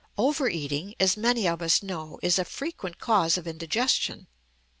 Over eating, as many of us know, is a frequent cause of indigestion.